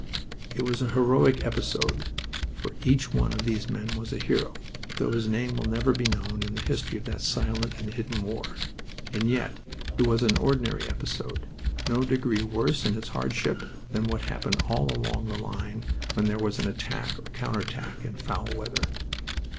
It was a heroic episode, for each one of these men was a hero, though his name will never be known in the history of that silent and hidden war. And yet it was an ordinary episode, no degree worse in its hardship than what happened all along the line when there was an attack or counter attack in foul weather.